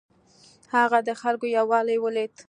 هغه د خلکو یووالی ولید.